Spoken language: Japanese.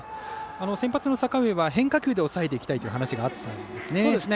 先発の阪上は変化球で抑えていきたいという話があったんですね。